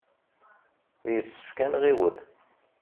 Yessefk ad nɣiwel.